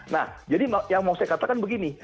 nah jadi yang mau saya katakan begini